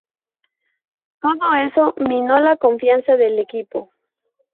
Todo eso minó la confianza del equipo.